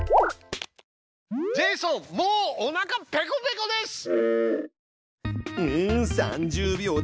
ジェイソンもうおなかペコペコです！